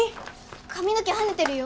髪の毛はねてるよ。